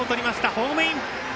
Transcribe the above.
ホームイン。